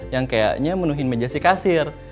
yang kayaknya menuhin meja si kasir